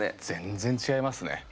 全然違いますね。